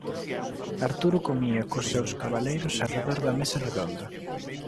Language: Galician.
Arturo comía cos seus cabaleiros arredor da mesa redonda